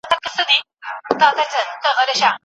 سیاستپوهنه د عادلانه نظام لپاره ده.